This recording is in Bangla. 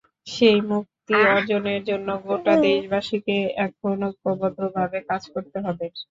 সেই মুক্তি অর্জনের জন্য গোটা দেশবাসীকে এখন ঐক্যবদ্ধভাবে কাজ করতে হবে।